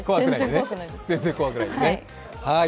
全然怖くないです。